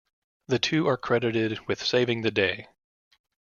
The two are credited with saving the day.